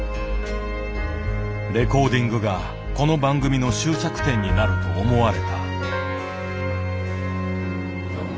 レコーディングがこの番組の終着点になると思われた。